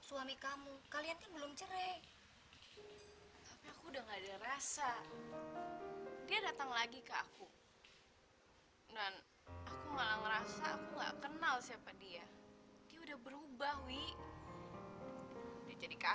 sampai jumpa di video selanjutnya